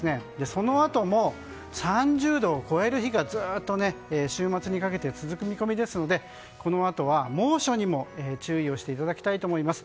そのあとも、３０度を超える日がずっと週末にかけて続く見込みですのでこのあとは猛暑にも注意をしていただきたいと思います。